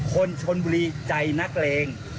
คนชนบุรีใจนักเลง